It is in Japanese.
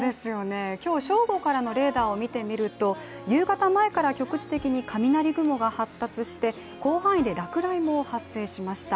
今日正午からのレーダーを見てみると夕方前から局地的に雷雲が発達して広範囲で落雷も発生しました。